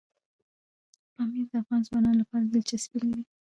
پامیر د افغان ځوانانو لپاره دلچسپي لري.